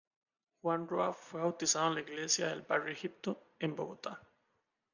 Juan Roa fue bautizado en la iglesia del Barrio Egipto, en Bogotá.